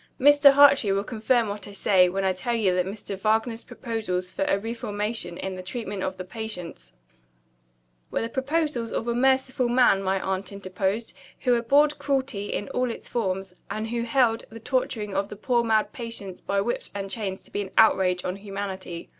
Mr. Hartrey will confirm what I say, when I tell you that Mr. Wagner's proposals for a reformation in the treatment of the patients " "Were the proposals of a merciful man," my aunt interposed "who abhorred cruelty in all its forms, and who held the torturing of the poor mad patients by whips and chains to be an outrage on humanity.